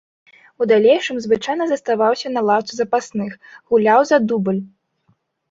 У далейшым звычайна заставаўся на лаўцы запасных, гуляў за дубль.